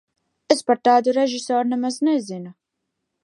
Es par tādu režisoru nemaz nezinu.